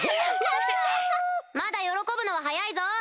まだ喜ぶのは早いぞ！